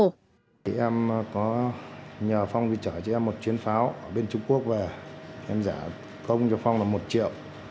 nhờ phong đi trả cho em một chuyến pháo ở bên trung quốc về em giả công cho phong là một triệu